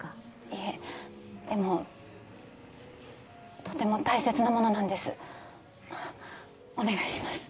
いえでもとても大切なものなんですお願いします